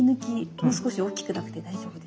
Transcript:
もう少し大きくなくて大丈夫ですか？